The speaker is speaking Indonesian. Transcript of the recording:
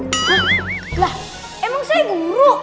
hah lah emang saya guru